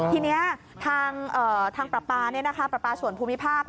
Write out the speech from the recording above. ทีนี้ทางประปาปราส่วนภูมิภาค